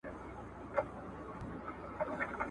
د تسپو دام یې په لاس کي دی ښکاریان دي ..